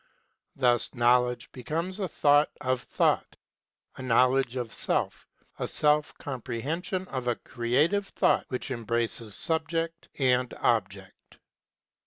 Thus Knowledge becomes a thought of Thought a knowledge of self, a self comprehension of a creative thought which embraces Subject and Object.